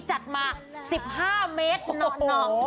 จัดมา๑๕เมตรหน่อ